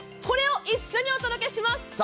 これを一緒にお届けします。